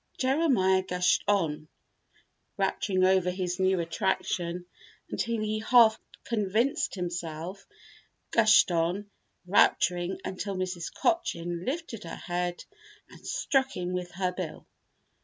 Jeremiah gushed on, rapturing over his new attraction until he half convinced himself; gushed on, rapturing, until Mrs. Cochin lifted her head and struck him with her bill.